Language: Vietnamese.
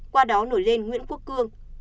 qua đó nổi lên nguyễn quốc cương